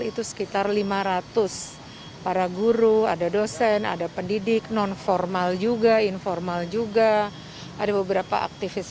itu sekitar lima ratus para guru ada dosen ada pendidik non formal juga informal juga ada beberapa aktivis